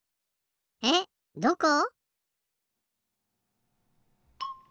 えっどこ？